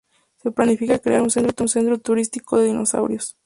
Se planifica crear un centro turístico de dinosaurios.